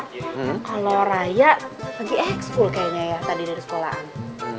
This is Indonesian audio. kalau raya lagi ekskul kayaknya ya tadi dari sekolahan